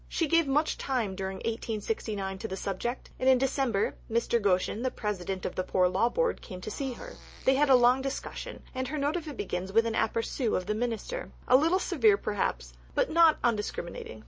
She gave much time during 1869 to the subject, and in December Mr. Goschen, the President of the Poor Law Board, came to see her. They had a long discussion, and her note of it begins with an aperçu of the Minister a little severe, perhaps, but not undiscriminating.